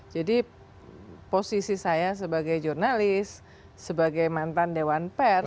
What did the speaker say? jadi posisi saya sebagai jurnalis sebagai mantan dewan pers